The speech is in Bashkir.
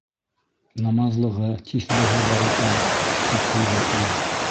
Намаҙлығы, тиҫбеһе бар икән, тип ҡуйҙы ир.